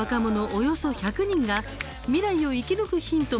およそ１００人が未来を生き抜くヒント